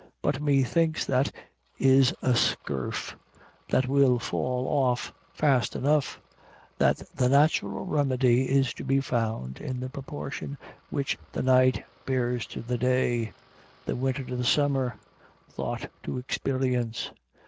But methinks that is a scurf that will fall off fast enough, that the natural remedy is to be found in the proportion which the night bears to the day, the winter to the summer, thought to experience.